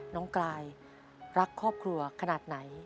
น้องกลายรักครอบครัวขนาดไหน